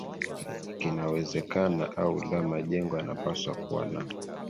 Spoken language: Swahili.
kinawezekana au la Majengo yanapaswa kuwa na